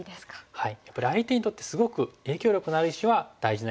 はい。